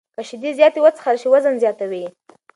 که شیدې زیاتې وڅښل شي، وزن زیاتوي.